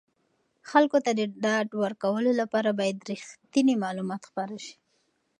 خلکو ته د ډاډ ورکولو لپاره باید رښتیني معلومات خپاره شي.